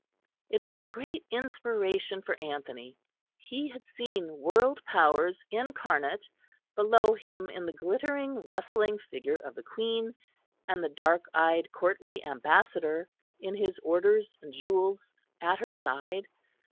It was a great inspiration for Anthony. He had seen world powers incarnate below him in the glittering rustling figure of the Queen, and the dark eyed courtly Ambassador in his orders and jewels at her side.